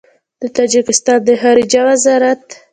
د تاجکستان د خارجه وزارت